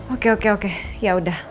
oke oke oke yaudah